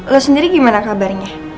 lo sendiri gimana kabarnya